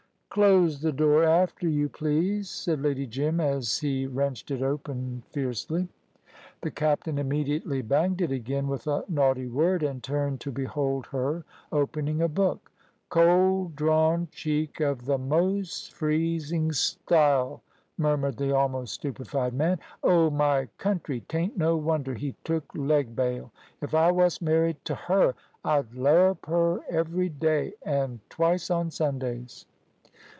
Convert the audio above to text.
"Close the door after you, please," said Lady Jim, as he wrenched it open fiercely. The captain immediately banged it again with a naughty word, and turned to behold her opening a book. "Cold drawn cheek of th' mos' freezing style," murmured the almost stupefied man. "Oh, my country, t'aint no wonder he took leg bail. If I wos married t' her I'd larrup her every day an' twice on Sundays."